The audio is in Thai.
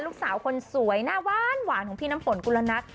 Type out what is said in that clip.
ลูกสาวคนสวยหน้าหวานของพี่น้ำฝนกุลนัท